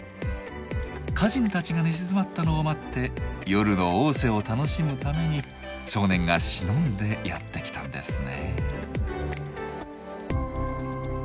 家人たちが寝静まったのを待って夜のおうせを楽しむために少年が忍んでやって来たんですね。